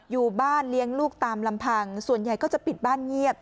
อยู่บ้านเลี้ยงลูกตามลำพังส่วนใหญ่ก็จะปิดบ้านเงียบ